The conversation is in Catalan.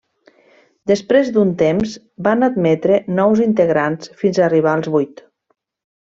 Després d'un temps van admetre nous integrants fins a arribar als vuit.